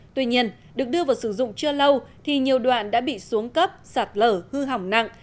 tuy nhiên được đưa vào sử dụng chưa lâu thì nhiều đoạn đã bị xuống cấp sạt lở hư hỏng nặng